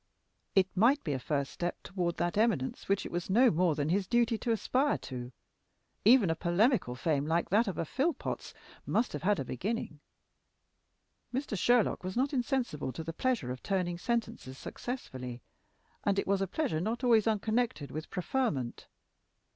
It might be a first step toward that eminence which it was no more than his duty to aspire to. Even a polemical fame like that of a Philpotts must have had a beginning. Mr. Sherlock was not insensible to the pleasure of turning sentences successfully, and it was a pleasure not always unconnected with preferment.